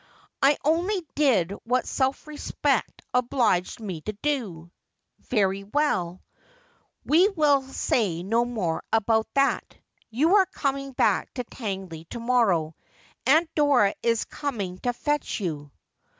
'I only did what self respect obliged me to do.' ' Very well, we will say no more about that. You are coming back to Tangley to morrow. Aunt Dora is coming to fetch you.'